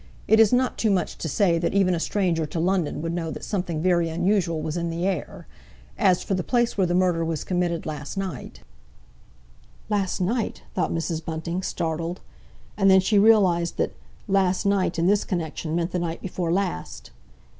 It is not too much to say that even a stranger to London would know that something very unusual was in the air. As for the place where the murder was committed last night—" "Last night!" thought Mrs. Bunting, startled; and then she realised that "last night," in this connection, meant the night before last.